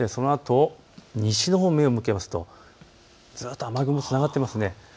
そのあと西のほうに目を向けるとずっと雨雲がつながっていますね。